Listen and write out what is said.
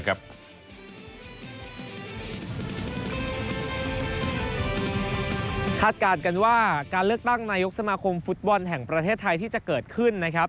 คาดการณ์กันว่าการเลือกตั้งนายกสมาคมฟุตบอลแห่งประเทศไทยที่จะเกิดขึ้นนะครับ